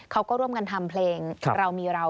เขาก็ร่วมกันทำเพลงเรามีเรา